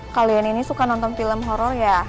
kalian ini suka nonton film horror ya